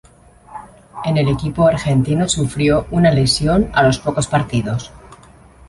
En el equipo argentino sufrió una lesión a los pocos partidos.